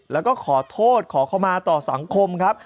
แล้วก็ขอโทษขอเข้ามาต่อสังคมครับ